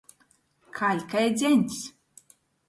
Kaļ kai dzeņs.